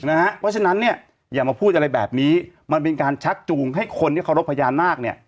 เพราะฉะนั้นเนี่ยอย่ามาพูดอะไรแบบนี้มันเป็นการชักจูงให้คนที่เคารพพญานาคเนี่ย